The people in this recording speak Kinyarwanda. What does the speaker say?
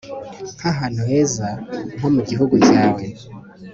Nkahantu heza nko mugihugu cyawe